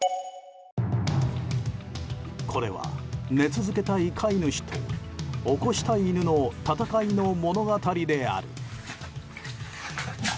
これは、寝続けたい飼い主と起こしたい犬の戦いの物語である。